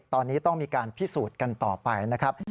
ตอนนี้ต้องมีการพิสูจน์กันต่อไปนะครับ